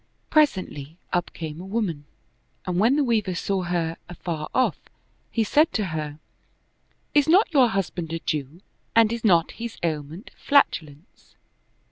Presently, up came a woman, and when the Weaver saw her afar off, he said to her, " Is not your husband a Jew and is not his ailment flatulence?"